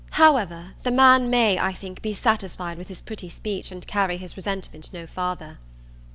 However, the man may, I think, be satisfied with his pretty speech and carry his resentment no farther.